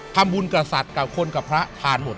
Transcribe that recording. ทำบุญกับสัตว์กับคนกับพระทานหมด